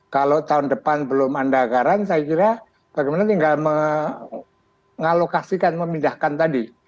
kalau tahun depan belum ada anggaran saya kira bagaimana tinggal mengalokasikan memindahkan tadi